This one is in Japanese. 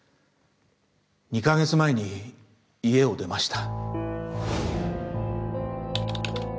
２か月前に家を出ました。